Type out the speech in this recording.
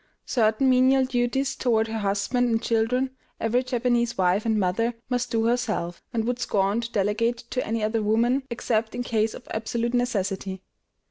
Certain menial duties toward her husband and children, every Japanese wife and mother must do herself, and would scorn to delegate to any other woman except in case of absolute necessity.